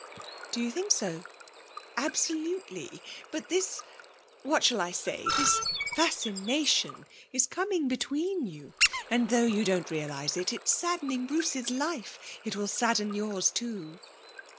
'Do you think so?' 'Absolutely. But this what shall I say? this fascination is coming between you, and, though you don't realise it, it's saddening Bruce's life; it will sadden yours too.